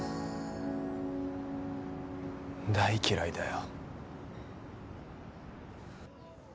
大嫌いだよ